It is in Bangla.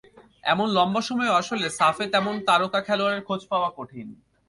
এমন লম্বা সময়েও আসলে সাফে তেমন তারকা খেলোয়াড়ের খোঁজ পাওয়া কঠিন।